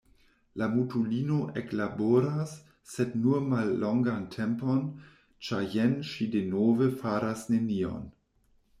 La mutulino eklaboras, sed nur mallongan tempon, ĉar jen ŝi denove faras nenion.